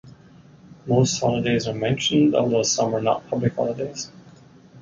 Most holidays are mentioned, although some are not public holidays.